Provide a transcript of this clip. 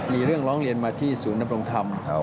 มีเรื่องร้องเรียนมาที่ศูนย์ดำรงธรรม